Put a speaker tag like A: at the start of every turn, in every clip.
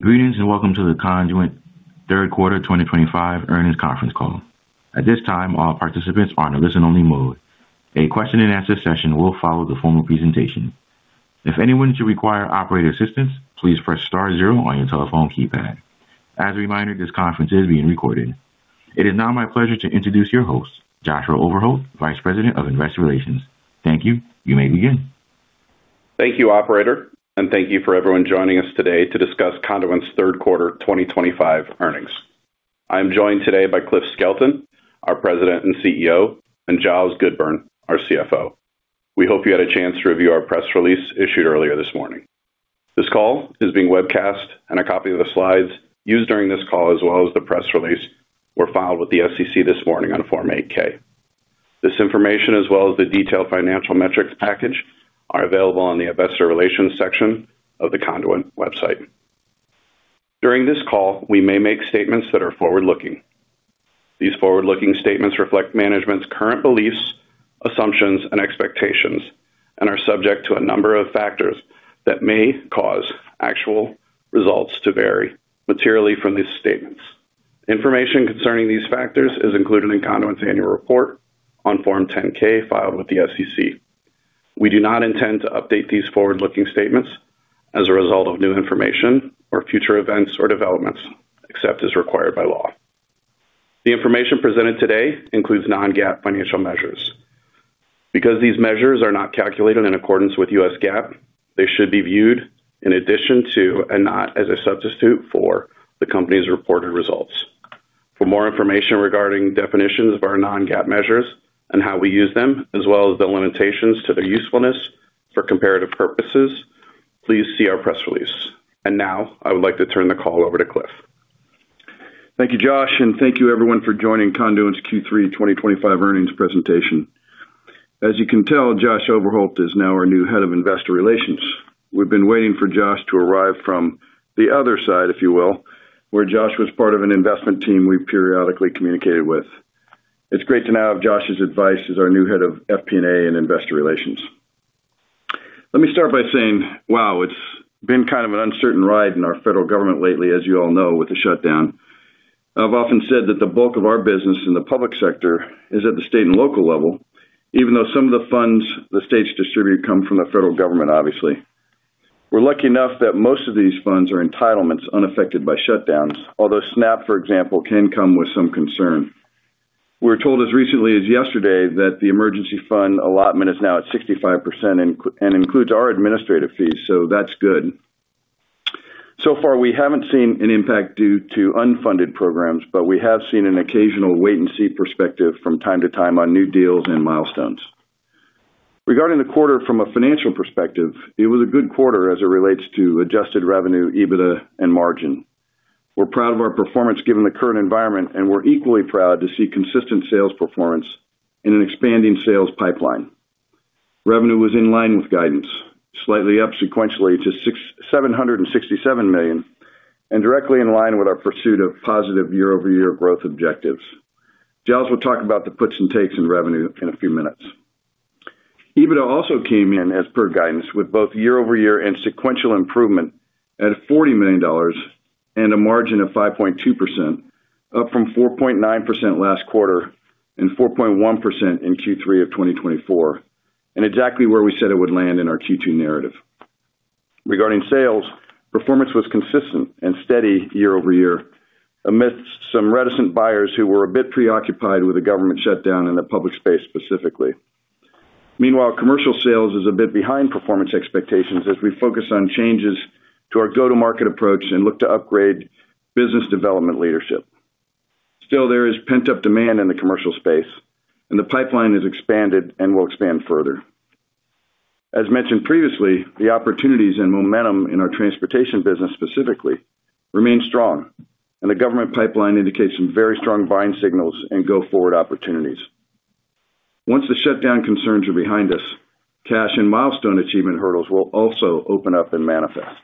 A: Greetings and Welcome to the Conduent Third Quarter 2025 Earnings Conference Call. At this time, all participants are in a listen-only mode. A question-and-answer session will follow the formal presentation. If anyone should require operator assistance, please press star zero on your telephone keypad. As a reminder, this conference is being recorded. It is now my pleasure to introduce your host, Joshua Overholt, Vice President of Investor Relations. Thank you. You may begin.
B: Thank you, Operator, and thank you for everyone joining us today to discuss Conduent's Third Quarter 2025 earnings. I am joined today by Cliff Skelton, our President and CEO, and Giles Goodburn, our CFO. We hope you had a chance to review our press release issued earlier this morning. This call is being webcast, and a copy of the slides used during this call, as well as the press release, were filed with the SEC this morning on Form 8-K. This information, as well as the detailed financial metrics package, are available on the Investor Relations section of the Conduent website. During this call, we may make statements that are forward-looking. These forward-looking statements reflect management's current beliefs, assumptions, and expectations, and are subject to a number of factors that may cause actual results to vary materially from these statements. Information concerning these factors is included in Conduent's annual report on Form 10-K filed with the SEC. We do not intend to update these forward-looking statements as a result of new information or future events or developments, except as required by law. The information presented today includes non-GAAP financial measures. Because these measures are not calculated in accordance with U.S. GAAP, they should be viewed in addition to and not as a substitute for the company's reported results. For more information regarding definitions of our non-GAAP measures and how we use them, as well as the limitations to their usefulness for comparative purposes, please see our press release. I would like to turn the call over to Cliff.
C: Thank you, Josh, and thank you, everyone, for joining Conduent's Q3 2025 earnings presentation. As you can tell, Josh Overholt is now our new Head of Investor Relations. We've been waiting for Josh to arrive from the other side, if you will, where Josh was part of an investment team we periodically communicated with. It's great to now have Josh's advice as our new Head of FP&A and Investor Relations. Let me start by saying, wow, it's been kind of an uncertain ride in our federal government lately, as you all know, with the shutdown. I've often said that the bulk of our business in the public sector is at the state and local level, even though some of the funds the states distribute come from the federal government, obviously. We're lucky enough that most of these funds are entitlements unaffected by shutdowns, although SNAP, for example, can come with some concern. We were told as recently as yesterday that the emergency fund allotment is now at 65% and includes our administrative fees, so that's good. So far, we haven't seen an impact due to unfunded programs, but we have seen an occasional wait-and-see perspective from time to time on new deals and milestones. Regarding the quarter, from a financial perspective, it was a good quarter as it relates to adjusted revenue, EBITDA, and margin. We're proud of our performance given the current environment, and we're equally proud to see consistent sales performance in an expanding sales pipeline. Revenue was in line with guidance, slightly up sequentially to $767 million and directly in line with our pursuit of positive year-over-year growth objectives. Giles will talk about the puts and takes in revenue in a few minutes. EBITDA also came in as per guidance with both year-over-year and sequential improvement at $40 million and a margin of 5.2%, up from 4.9% last quarter and 4.1% in Q3 of 2024, and exactly where we said it would land in our Q2 narrative. Regarding sales, performance was consistent and steady year-over-year, amidst some reticent buyers who were a bit preoccupied with the government shutdown in the public space specifically. Meanwhile, commercial sales is a bit behind performance expectations as we focus on changes to our go-to-market approach and look to upgrade business development leadership. Still, there is pent-up demand in the commercial space, and the pipeline is expanded and will expand further. As mentioned previously, the opportunities and momentum in our transportation business specifically remain strong, and the government pipeline indicates some very strong buying signals and go-forward opportunities. Once the shutdown concerns are behind us, cash and milestone achievement hurdles will also open up and manifest.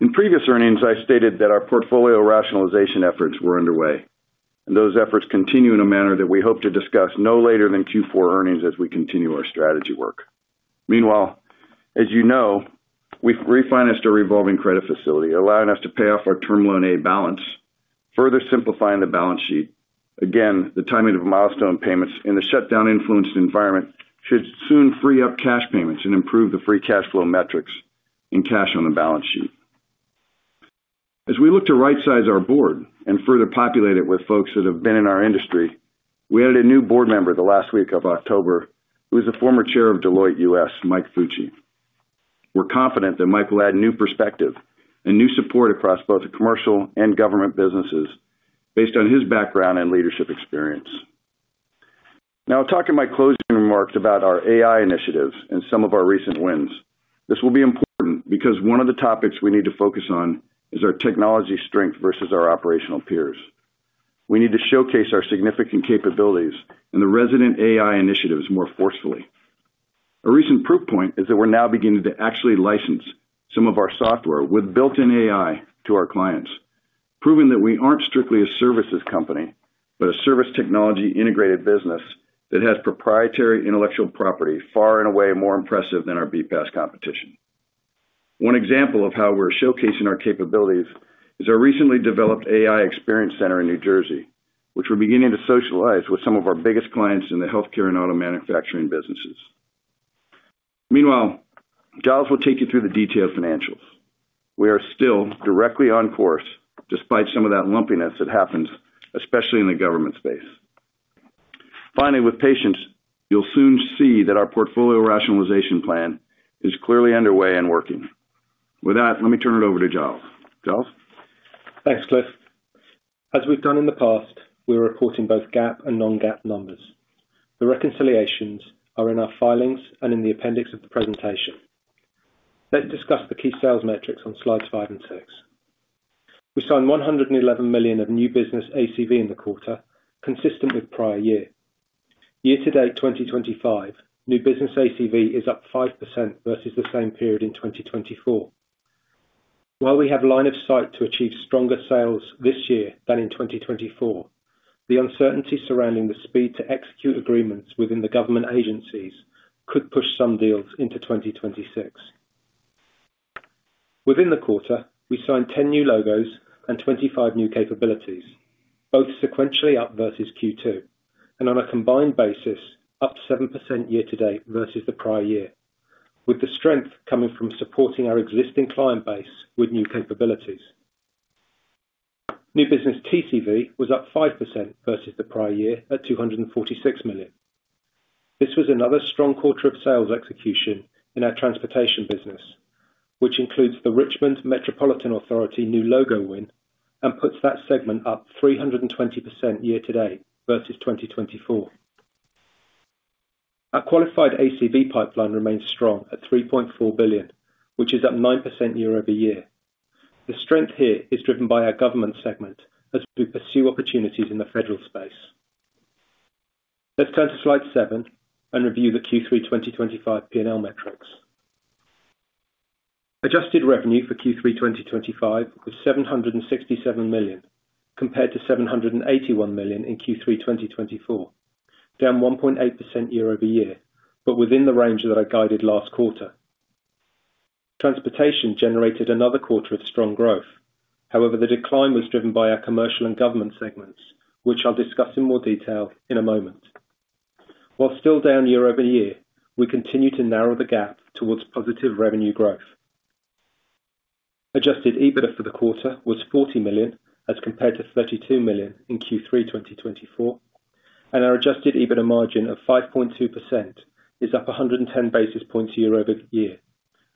C: In previous earnings, I stated that our portfolio rationalization efforts were underway, and those efforts continue in a manner that we hope to discuss no later than Q4 earnings as we continue our strategy work. Meanwhile, as you know, we've refinanced our revolving credit facility, allowing us to pay off our term loan A balance, further simplifying the balance sheet. Again, the timing of milestone payments in the shutdown-influenced environment should soon free up cash payments and improve the free cash flow metrics in cash on the balance sheet. As we look to right-size our board and further populate it with folks that have been in our industry, we added a new board member the last week of October, who is the former chair of Deloitte U.S., Mike Fucci. We're confident that Mike will add new perspective and new support across both the commercial and government businesses based on his background and leadership experience. Now, I'll talk in my closing remarks about our AI initiatives and some of our recent wins. This will be important because one of the topics we need to focus on is our technology strength versus our operational peers. We need to showcase our significant capabilities and the resident AI initiatives more forcefully. A recent proof point is that we're now beginning to actually license some of our software with built-in AI to our clients, proving that we aren't strictly a services company, but a service technology integrated business that has proprietary intellectual property far and away more impressive than our BPaaS competition. One example of how we're showcasing our capabilities is our recently developed AI experience center in New Jersey, which we're beginning to socialize with some of our biggest clients in the healthcare and auto manufacturing businesses. Meanwhile, Giles will take you through the detailed financials. We are still directly on course despite some of that lumpiness that happens, especially in the government space. Finally, with patience, you'll soon see that our portfolio rationalization plan is clearly underway and working. With that, let me turn it over to Giles. Giles?
D: Thanks, Cliff. As we've done in the past, we're reporting both GAAP and non-GAAP numbers. The reconciliations are in our filings and in the appendix of the presentation. Let's discuss the key sales metrics on slides five and six. We signed $111 million of new business ACV in the quarter, consistent with prior year. Year-to-date 2025, new business ACV is up 5% versus the same period in 2024. While we have line of sight to achieve stronger sales this year than in 2024, the uncertainty surrounding the speed to execute agreements within the government agencies could push some deals into 2026. Within the quarter, we signed 10 new logos and 25 new capabilities, both sequentially up versus Q2, and on a combined basis, up 7% year-to-date versus the prior year, with the strength coming from supporting our existing client base with new capabilities. New business TCV was up 5% versus the prior year at $246 million. This was another strong quarter of sales execution in our transportation business, which includes the Richmond Metropolitan Authority new logo win and puts that segment up 320% year-to-date versus 2024. Our qualified ACV pipeline remains strong at $3.4 billion, which is up 9% year-over-year. The strength here is driven by our government segment as we pursue opportunities in the federal space. Let's turn to slide seven and review the Q3 2025 P&L metrics. Adjusted revenue for Q3 2025 was $767 million, compared to $781 million in Q3 2024, down 1.8% year-over-year, but within the range that I guided last quarter. Transportation generated another quarter of strong growth. However, the decline was driven by our commercial and government segments, which I'll discuss in more detail in a moment. While still down year-over-year, we continue to narrow the gap towards positive revenue growth. Adjusted EBITDA for the quarter was $40 million as compared to $32 million in Q3 2024, and our adjusted EBITDA margin of 5.2% is up 110 basis points year-over-year,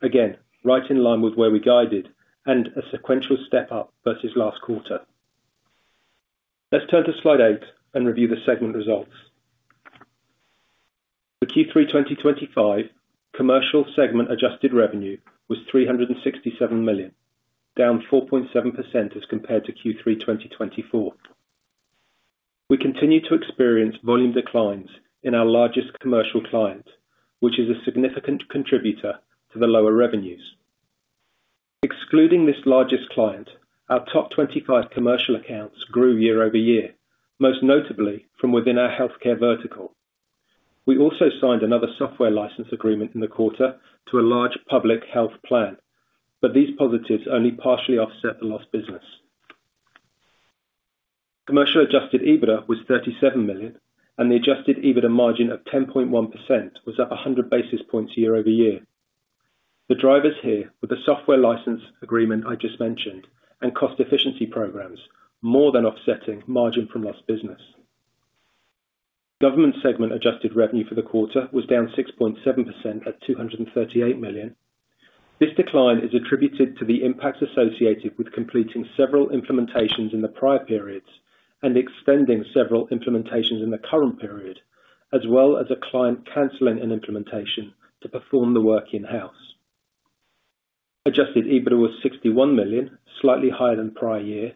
D: again, right in line with where we guided and a sequential step up versus last quarter. Let's turn to slide eight and review the segment results. The Q3 2025 commercial segment adjusted revenue was $367 million, down 4.7% as compared to Q3 2024. We continue to experience volume declines in our largest commercial client, which is a significant contributor to the lower revenues. Excluding this largest client, our top 25 commercial accounts grew year-over-year, most notably from within our healthcare vertical. We also signed another software license agreement in the quarter to a large public health plan, but these positives only partially offset the lost business. Commercial adjusted EBITDA was $37 million, and the adjusted EBITDA margin of 10.1% was up 100 basis points year-over-year. The drivers here were the software license agreement I just mentioned and cost efficiency programs, more than offsetting margin from lost business. Government segment adjusted revenue for the quarter was down 6.7% at $238 million. This decline is attributed to the impacts associated with completing several implementations in the prior periods and extending several implementations in the current period, as well as a client canceling an implementation to perform the work in-house. Adjusted EBITDA was $61 million, slightly higher than prior year,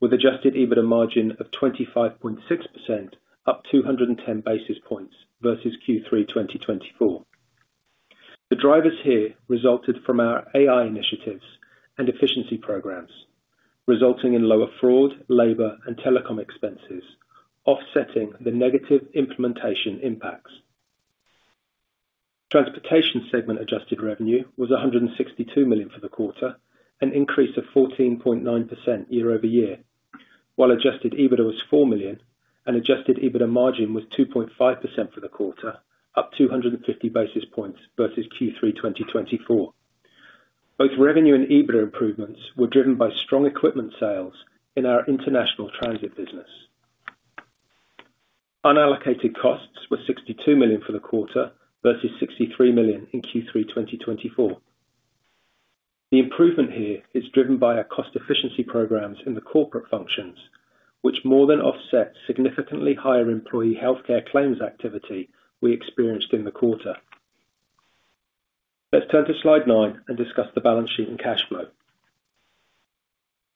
D: with adjusted EBITDA margin of 25.6%, up 210 basis points versus Q3 2024. The drivers here resulted from our AI initiatives and efficiency programs, resulting in lower fraud, labor, and telecom expenses, offsetting the negative implementation impacts. Transportation segment adjusted revenue was $162 million for the quarter, an increase of 14.9% year-over-year, while adjusted EBITDA was $4 million, and adjusted EBITDA margin was 2.5% for the quarter, up 250 basis points versus Q3 2024. Both revenue and EBITDA improvements were driven by strong equipment sales in our international transit business. Unallocated costs were $62 million for the quarter versus $63 million in Q3 2024. The improvement here is driven by our cost efficiency programs in the corporate functions, which more than offset significantly higher employee healthcare claims activity we experienced in the quarter. Let's turn to slide nine and discuss the balance sheet and cash flow.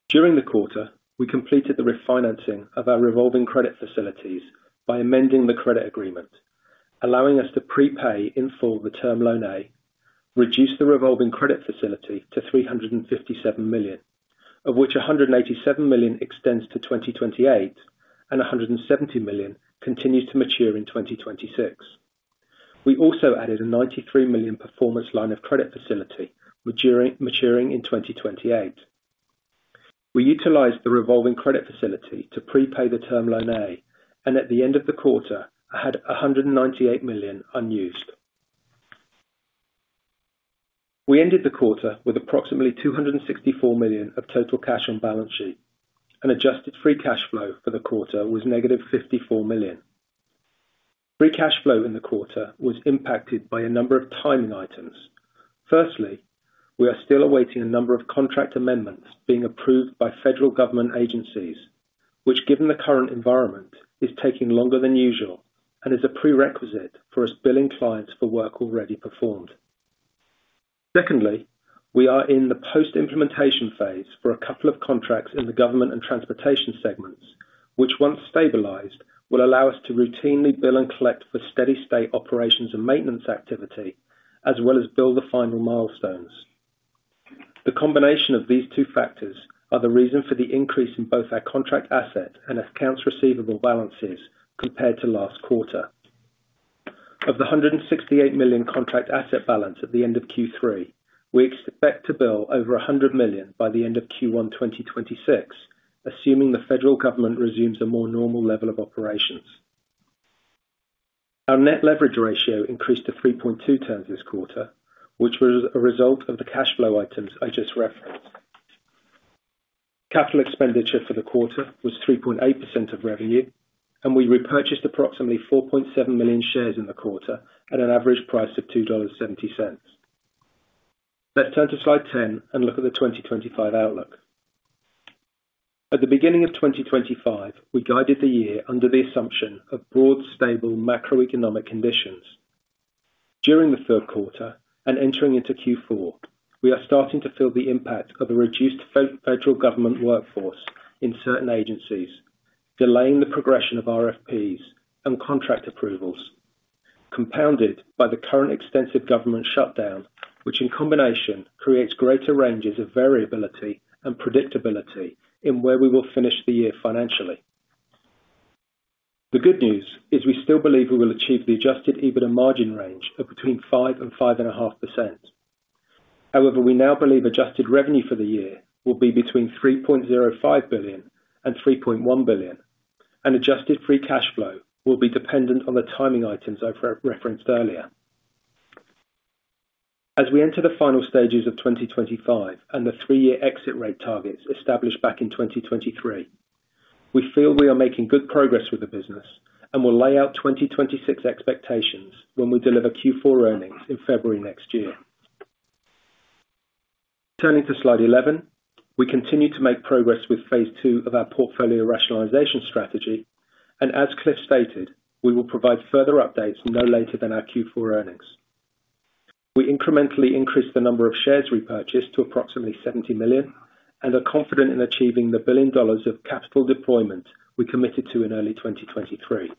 D: During the quarter, we completed the refinancing of our revolving credit facilities by amending the credit agreement, allowing us to prepay in full the term loan A, reduce the revolving credit facility to $357 million, of which $187 million extends to 2028 and $170 million continues to mature in 2026. We also added a $93 million performance line of credit facility maturing in 2028. We utilized the revolving credit facility to prepay the term loan A, and at the end of the quarter, I had $198 million unused. We ended the quarter with approximately $264 million of total cash on balance sheet, and adjusted free cash flow for the quarter was -$54 million. Free cash flow in the quarter was impacted by a number of timing items. Firstly, we are still awaiting a number of contract amendments being approved by federal government agencies, which, given the current environment, is taking longer than usual and is a prerequisite for us billing clients for work already performed. Secondly, we are in the post-implementation phase for a couple of contracts in the government and transportation segments, which, once stabilized, will allow us to routinely bill and collect for steady-state operations and maintenance activity, as well as bill the final milestones. The combination of these two factors are the reason for the increase in both our contract asset and accounts receivable balances compared to last quarter. Of the $168 million contract asset balance at the end of Q3, we expect to bill over $100 million by the end of Q1 2026, assuming the federal government resumes a more normal level of operations. Our net leverage ratio increased to 3.2x this quarter, which was a result of the cash flow items I just referenced. Capital expenditure for the quarter was 3.8% of revenue, and we repurchased approximately 4.7 million shares in the quarter at an average price of $2.70. Let's turn to slide 10 and look at the 2025 outlook. At the beginning of 2025, we guided the year under the assumption of broad, stable macroeconomic conditions. During the third quarter and entering into Q4, we are starting to feel the impact of a reduced federal government workforce in certain agencies, delaying the progression of RFPs and contract approvals, compounded by the current extensive government shutdown, which in combination creates greater ranges of variability and predictability in where we will finish the year financially. The good news is we still believe we will achieve the adjusted EBITDA margin range of between 5% and 5.5%. However, we now believe adjusted revenue for the year will be between $3.05 billion and $3.1 billion, and adjusted free cash flow will be dependent on the timing items I referenced earlier. As we enter the final stages of 2025 and the three-year exit rate targets established back in 2023, we feel we are making good progress with the business and will lay out 2026 expectations when we deliver Q4 earnings in February next year. Turning to slide 11, we continue to make progress with phase two of our portfolio rationalization strategy, and as Cliff stated, we will provide further updates no later than our Q4 earnings. We incrementally increased the number of shares repurchased to approximately $70 million and are confident in achieving the billion dollars of capital deployment we committed to in early 2023.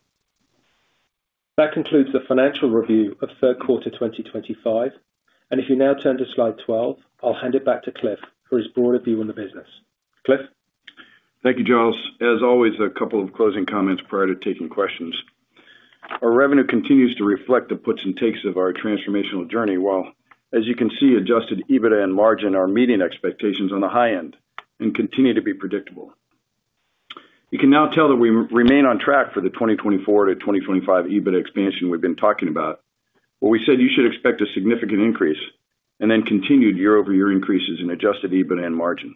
D: That concludes the financial review of third quarter 2025, and if you now turn to slide 12, I'll hand it back to Cliff for his broader view on the business. Cliff?
C: Thank you, Giles. As always, a couple of closing comments prior to taking questions. Our revenue continues to reflect the puts and takes of our transformational journey, while, as you can see, adjusted EBITDA and margin are meeting expectations on the high end and continue to be predictable. You can now tell that we remain on track for the 2024 to 2025 EBITDA expansion we've been talking about, where we said you should expect a significant increase and then continued year-over-year increases in adjusted EBITDA and margin.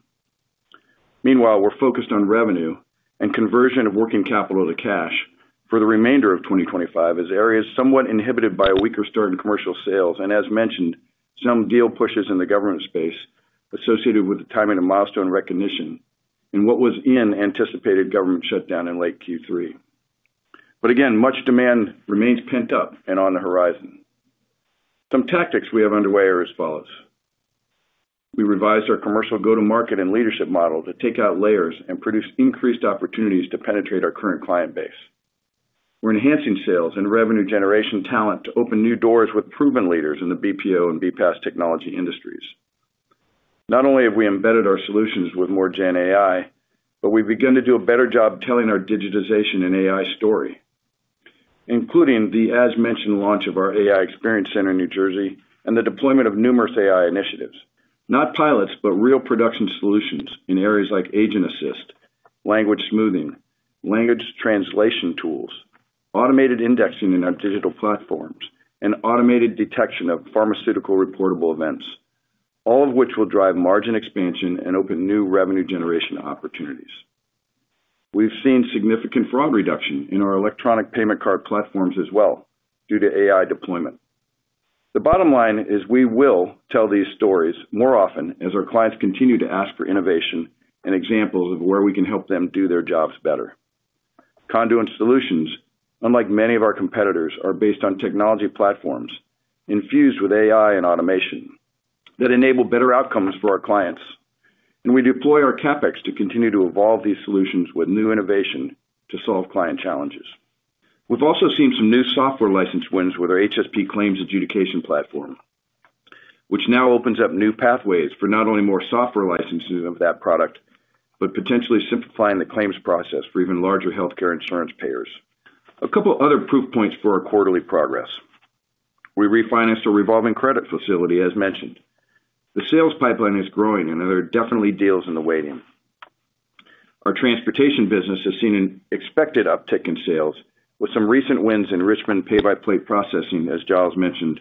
C: Meanwhile, we're focused on revenue and conversion of working capital to cash for the remainder of 2025 as areas somewhat inhibited by a weaker start in commercial sales and, as mentioned, some deal pushes in the government space associated with the timing of milestone recognition and what was in anticipated government shutdown in late Q3. But again, much demand remains pent up and on the horizon. Some tactics we have underway are as follows. We revised our commercial go-to-market and leadership model to take out layers and produce increased opportunities to penetrate our current client base. We're enhancing sales and revenue generation talent to open new doors with proven leaders in the BPO and BPaaS technology industries. Not only have we embedded our solutions with more GenAI, but we've begun to do a better job telling our digitization and AI story, including the, as mentioned, launch of our AI experience center in New Jersey and the deployment of numerous AI initiatives, not pilots, but real production solutions in areas like agent assist, language smoothing, language translation tools, automated indexing in our digital platforms, and automated detection of pharmaceutical reportable events, all of which will drive margin expansion and open new revenue generation opportunities. We've seen significant fraud reduction in our electronic payment card platforms as well due to AI deployment. The bottom line is we will tell these stories more often as our clients continue to ask for innovation and examples of where we can help them do their jobs better. Conduent Solutions, unlike many of our competitors, are based on technology platforms infused with AI and automation that enable better outcomes for our clients, and we deploy our CapEx to continue to evolve these solutions with new innovation to solve client challenges. We've also seen some new software license wins with our HSP claims adjudication platform, which now opens up new pathways for not only more software licensing of that product, but potentially simplifying the claims process for even larger healthcare insurance payers. A couple of other proof points for our quarterly progress. We refinanced our revolving credit facility, as mentioned. The sales pipeline is growing, and there are definitely deals in the waiting. Our transportation business has seen an expected uptick in sales, with some recent wins in Richmond Pay-by-Plate processing, as Giles mentioned,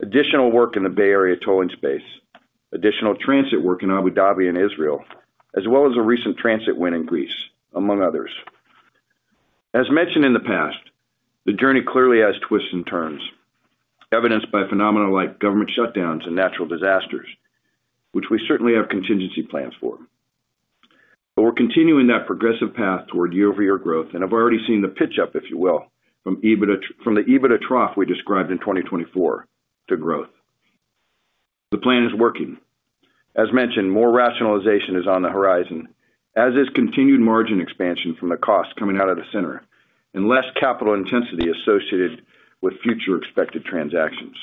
C: additional work in the Bay Area tolling space, additional transit work in Abu Dhabi and Israel, as well as a recent transit win in Greece, among others. As mentioned in the past, the journey clearly has twists and turns, evidenced by phenomena like government shutdowns and natural disasters, which we certainly have contingency plans for. But we're continuing that progressive path toward year-over-year growth and have already seen the pitch up, if you will, from the EBITDA trough we described in 2024 to growth. The plan is working. As mentioned, more rationalization is on the horizon, as is continued margin expansion from the cost coming out of the center and less capital intensity associated with future expected transactions.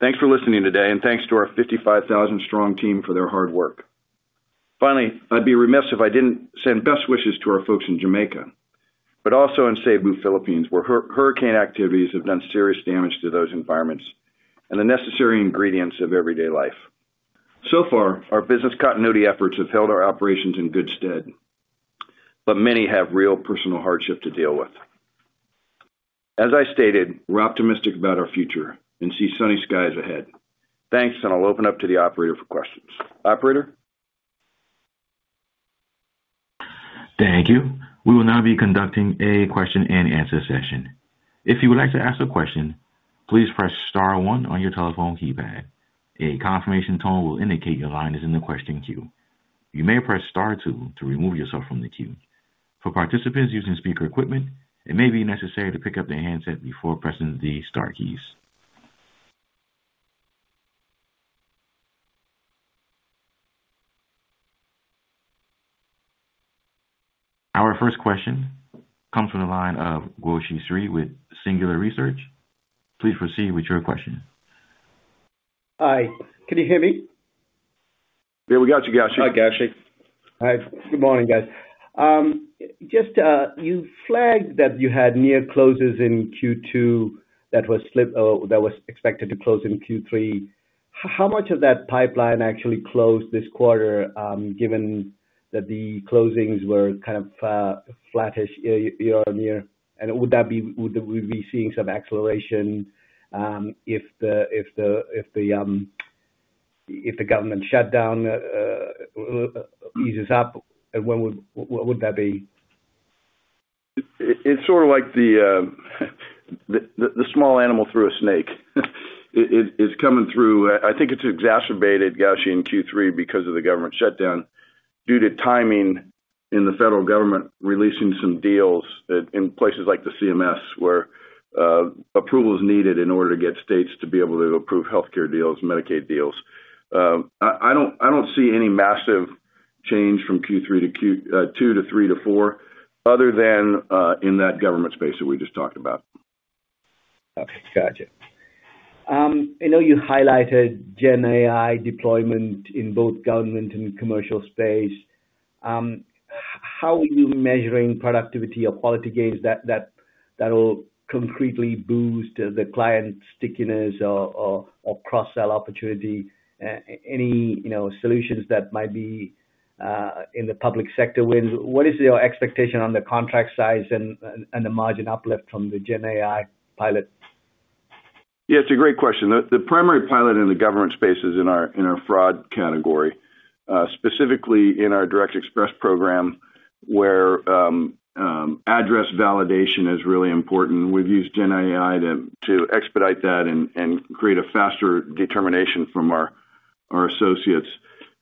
C: Thanks for listening today, and thanks to our 55,000-strong team for their hard work. Finally, I'd be remiss if I didn't send best wishes to our folks in Jamaica, but also in Cebu, Philippines, where hurricane activities have done serious damage to those environments and the necessary ingredients of everyday life. So far, our business continuity efforts have held our operations in good stead, but many have real personal hardship to deal with. As I stated, we're optimistic about our future and see sunny skies ahead. Thanks, and I'll open up to the operator for questions. Operator?
A: Thank you. We will now be conducting a question and answer session. If you would like to ask a question, please press Star one on your telephone keypad. A confirmation tone will indicate your line is in the question queue. You may press Star two to remove yourself from the queue. For participants using speaker equipment, it may be necessary to pick up the handset before pressing the Star keys. Our first question comes from the line of Gowshi Sriharan with Singular Research. Please proceed with your question.
E: Hi. Can you hear me?
C: Yeah, we got you, Gowshi.
D: Hi, Gowshi.
A: Hi. Good morning, guys. Just you flagged that you had near closes in Q2 that was expected to close in Q3. How much of that pipeline actually closed this quarter, given that the closings were kind of flattish year-on-year? And would that be—would we be seeing some acceleration if the government shutdown eases up? And when would that be?
C: It's sort of like the small animal through a snake. It's coming through. I think it's exacerbated, Gowshi, in Q3 because of the government shutdown due to timing in the federal government releasing some deals in places like the CMS, where approval is needed in order to get states to be able to approve healthcare deals, Medicaid deals. I don't see any massive change from Q3 to Q2 to Q3 to Q4 other than in that government space that we just talked about.
E: Okay. Gotcha. I know you highlighted GenAI deployment in both government and commercial space. How are you measuring productivity or quality gains that will concretely boost the client stickiness or cross-sell opportunity? Any solutions that might be in the public sector wins? What is your expectation on the contract size and the margin uplift from the GenAI pilot?
C: Yeah, it's a great question. The primary pilot in the government space is in our fraud category, specifically in our Direct Express Program, where address validation is really important. We've used GenAI to expedite that and create a faster determination from our associates.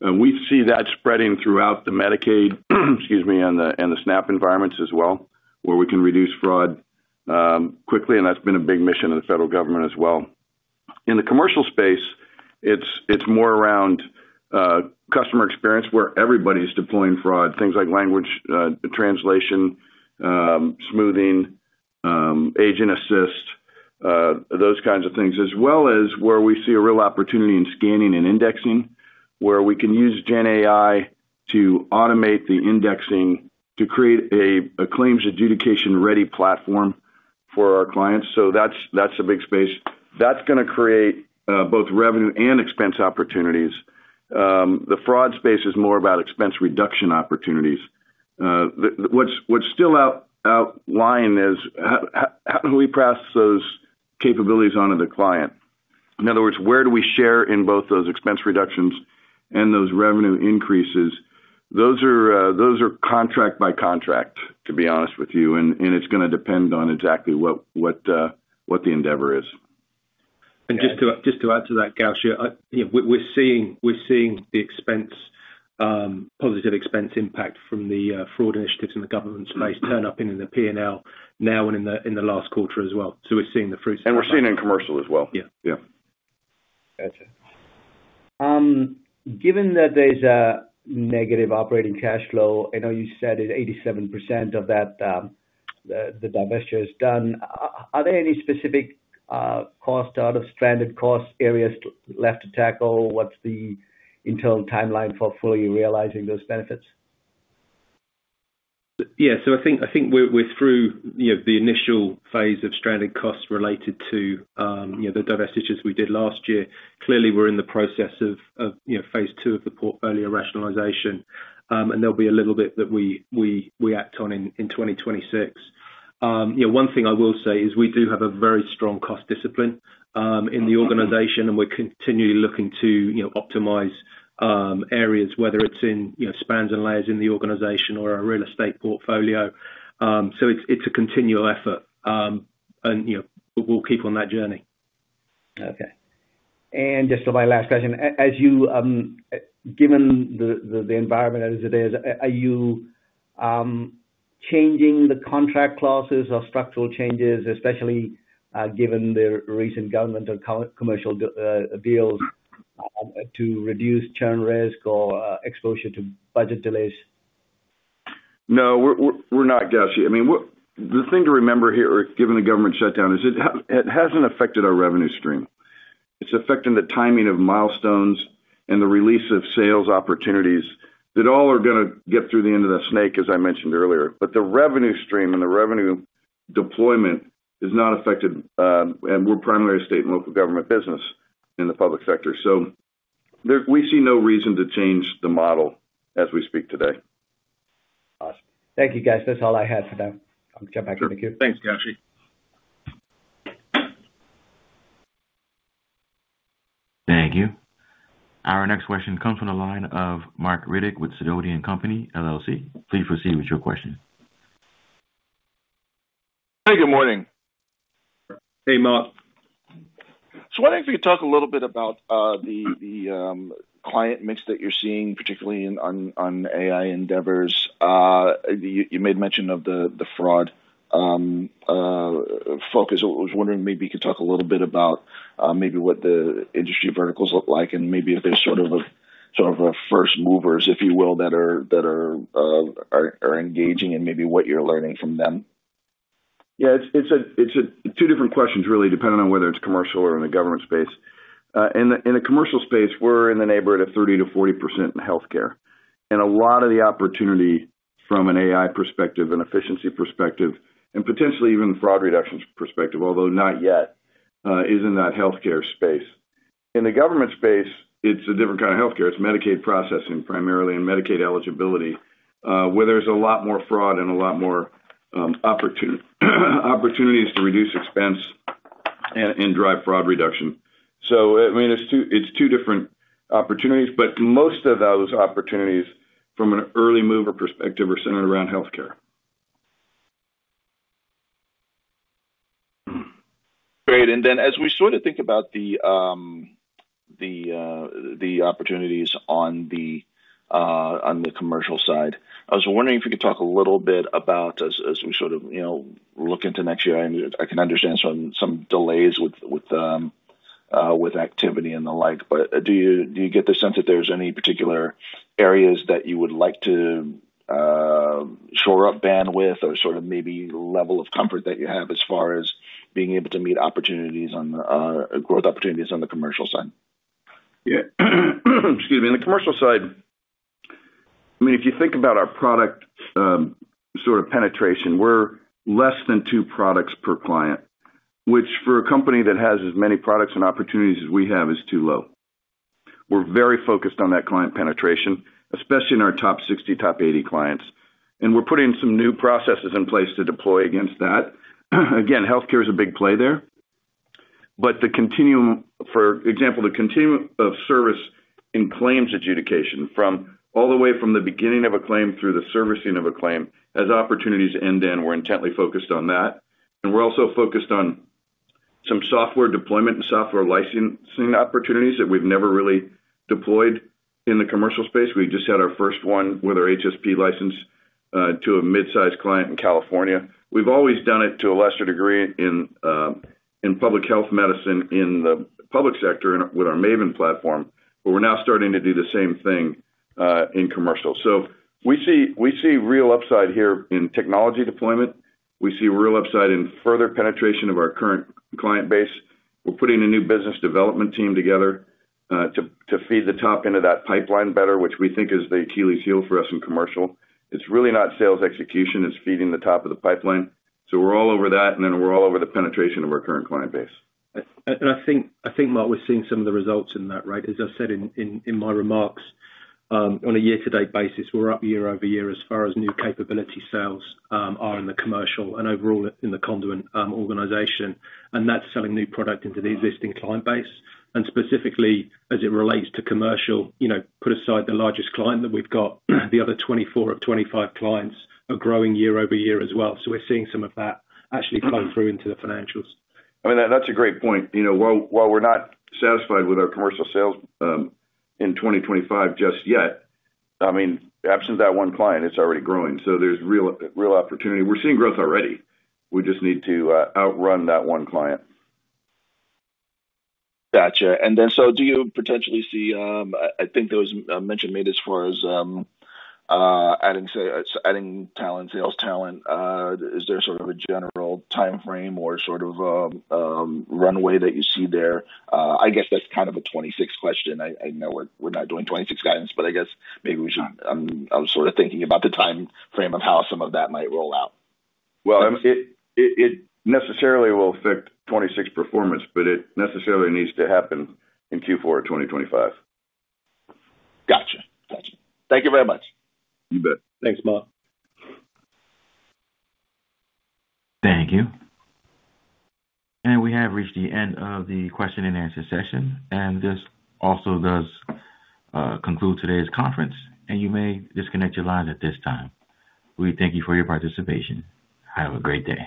C: We see that spreading throughout the Medicaid—excuse me—and the SNAP environments as well, where we can reduce fraud quickly, and that's been a big mission of the federal government as well. In the commercial space, it's more around customer experience, where everybody's deploying fraud, things like language translation, smoothing, agent assist, those kinds of things, as well as where we see a real opportunity in scanning and indexing, where we can use GenAI to automate the indexing to create a claims adjudication-ready platform for our clients. So that's a big space. That's going to create both revenue and expense opportunities. The fraud space is more about expense reduction opportunities. What's still outlying is how do we pass those capabilities on to the client? In other words, where do we share in both those expense reductions and those revenue increases? Those are contract by contract, to be honest with you, and it's going to depend on exactly what the endeavor is.
D: And just to add to that, Gowshi, we're seeing the positive expense impact from the fraud initiatives in the government space turn up in the P&L now and in the last quarter as well. So we're seeing the fruits of that.
C: And we're seeing it in commercial as well. Yeah.
D: Yeah.
E: Gotcha. Given that there's a negative operating cash flow, I know you said 87% of that the divestiture is done. Are there any specific costs out of stranded cost areas left to tackle? What's the internal timeline for fully realizing those benefits?
D: Yeah. So I think we're through the initial phase of stranded costs related to the divestitures we did last year. Clearly, we're in the process of phase two of the portfolio rationalization, and there'll be a little bit that we act on in 2026. One thing I will say is we do have a very strong cost discipline in the organization, and we're continually looking to optimize areas, whether it's in spans and layers in the organization or our real estate portfolio. So it's a continual effort, and we'll keep on that journey.
E: Okay. And just my last question. Given the environment as it is, are you changing the contract clauses or structural changes, especially given the recent government and commercial deals, to reduce churn risk or exposure to budget delays?
C: No, we're not, Gowshi. I mean, the thing to remember here, given the government shutdown, is it hasn't affected our revenue stream. It's affecting the timing of milestones and the release of sales opportunities that all are going to get through the end of the snake, as I mentioned earlier. But the revenue stream and the revenue deployment is not affected, and we're primarily state and local government business in the public sector. So we see no reason to change the model as we speak today.
E: Awesome. Thank you, guys. That's all I had for now. I'll jump back in the queue.
C: Thanks, Gowshi.
A: Thank you. Our next question comes from the line of Marc Riddick with Sidoti & Company LLC. Please proceed with your question.
F: Hey, good morning.
C: Hey, Marc.
F: So I think if you could talk a little bit about the client mix that you're seeing, particularly on AI endeavors. You made mention of the fraud focus. I was wondering maybe you could talk a little bit about maybe what the industry verticals look like and maybe if there's sort of a first movers, if you will, that are engaging and maybe what you're learning from them.
C: Yeah, it's two different questions, really, depending on whether it's commercial or in the government space. In the commercial space, we're in the neighborhood of 30%-40% in healthcare. And a lot of the opportunity from an AI perspective, an efficiency perspective, and potentially even fraud reductions perspective, although not yet, is in that healthcare space. In the government space, it's a different kind of healthcare. It's Medicaid processing primarily and Medicaid eligibility, where there's a lot more fraud and a lot more opportunities to reduce expense and drive fraud reduction. So I mean, it's two different opportunities, but most of those opportunities from an early mover perspective are centered around healthcare.
F: Great. And then as we sort of think about the opportunities on the commercial side, I was wondering if you could talk a little bit about. As we sort of look into next year, I can understand some delays with activity and the like. But do you get the sense that there's any particular areas that you would like to shore up bandwidth or sort of maybe level of comfort that you have as far as being able to meet growth opportunities on the commercial side?
C: Yeah. Excuse me. On the commercial side, I mean, if you think about our product sort of penetration, we're less than two products per client, which for a company that has as many products and opportunities as we have is too low. We're very focused on that client penetration, especially in our top 60, top 80 clients. And we're putting some new processes in place to deploy against that. Again, healthcare is a big play there. But for example, the continuum of service in claims adjudication, all the way from the beginning of a claim through the servicing of a claim, as opportunities end in, we're intently focused on that. And we're also focused on some software deployment and software licensing opportunities that we've never really deployed in the commercial space. We just had our first one with our HSP license to a mid-sized client in California. We've always done it to a lesser degree in public health medicine in the public sector with our Maven platform, but we're now starting to do the same thing in commercial. So we see real upside here in technology deployment. We see real upside in further penetration of our current client base. We're putting a new business development team together to feed the top end of that pipeline better, which we think is the Achilles heel for us in commercial. It's really not sales execution. It's feeding the top of the pipeline. So we're all over that, and then we're all over the penetration of our current client base.
D: And I think, Marc, we're seeing some of the results in that, right? As I said in my remarks, on a year-to-date basis, we're up year-over-year as far as new capability sales are in the commercial and overall in the Conduit organization. And that's selling new product into the existing client base. And specifically, as it relates to commercial, put aside the largest client that we've got, the other 24 of 25 clients are growing year-over-year as well. So we're seeing some of that actually flow through into the financials.
C: I mean, that's a great point. While we're not satisfied with our commercial sales in 2025 just yet, I mean, absent that one client, it's already growing. So there's real opportunity. We're seeing growth already. We just need to outrun that one client.
F: Gotcha. And then so do you potentially see I think there was a mention made as far as adding sales talent. Is there sort of a general timeframe or sort of a runway that you see there? I guess that's kind of a 26 question. I know we're not doing 26 guidance, but I guess maybe I'm sort of thinking about the timeframe of how some of that might roll out.
C: Well, it necessarily will affect 26 performance, but it necessarily needs to happen in Q4 of 2025.
F: Gotcha. Thank you very much.
C: You bet.
D: Thanks, Matt.
A: Thank you. And we have reached the end of the question and answer session. And this also does conclude today's conference. And you may disconnect your lines at this time. We thank you for your participation. Have a great day.